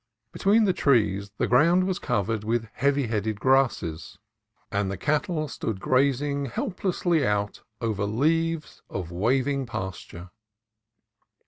Between the trees the ground was covered with heavy headed grasses, 98 CALIFORNIA COAST TRAILS and the cattle stood gazing helplessly out over leagues of waving pasturage.